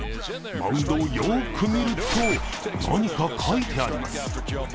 マウンドをよく見ると何かかいてあります。